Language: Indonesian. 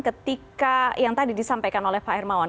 ketika yang tadi disampaikan oleh pak hermawan